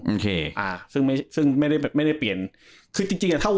โอเคอ่าซึ่งไม่ได้ไม่ได้เปลี่ยนคือจริงจริงอ่ะ